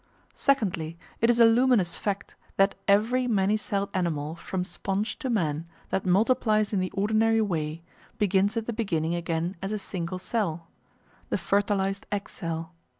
Secondly, it is a luminous fact that _every many celled animal from sponge to man that multiplies in the ordinary way begins at the beginning again as a "single cell,"_ the fertilised egg cell.